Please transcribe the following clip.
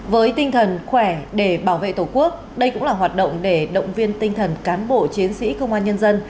với tinh thần khỏe để bảo vệ tổ quốc đây cũng là hoạt động để động viên tinh thần cán bộ chiến sĩ công an nhân dân